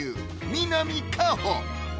南果歩